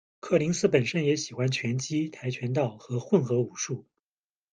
柯林斯本身也喜欢拳击、跆拳道和混合武术。